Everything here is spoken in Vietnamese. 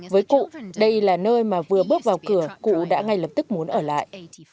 với cụ đây là nơi mà vừa bước vào cửa cụ đã ngay lập tức muốn ở lại